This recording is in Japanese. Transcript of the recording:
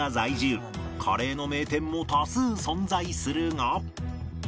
カレーの名店も多数存在するが